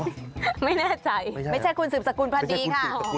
ไม่แน่ใจไม่ใช่คุณสืบสกุลพอดีค่ะ